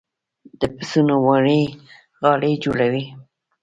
د پسونو وړۍ غالۍ جوړوي